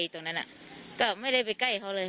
ตรงนั้นก็ไม่ได้ไปใกล้เขาเลย